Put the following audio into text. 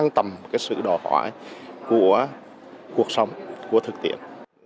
tầm cái sự đòi hỏi của cuộc sống của thực tiễn